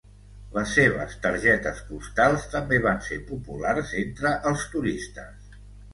Les seves targetes postals també van ser populars entre els turistes.